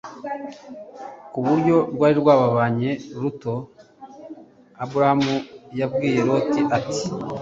ku buryo urwuri rwababanye ruto Aburahamu yabwiye Loti ati